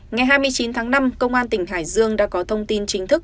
ngày hai mươi chín tháng năm công an tỉnh hải dương đã có thông tin chính thức